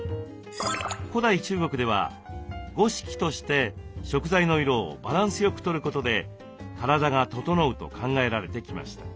古代中国では五色として食材の色をバランスよくとることで体が整うと考えられてきました。